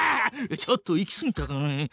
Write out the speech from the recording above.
ちょっと行きすぎたかね。